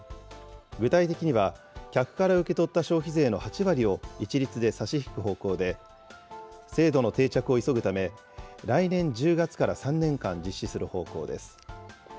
具体的には、客から受け取った消費税の８割を一律で差し引く方向で、制度の定着を急ぐため、来年１０月から３年間実施する方向です。